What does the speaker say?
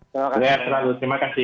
selamat malam terima kasih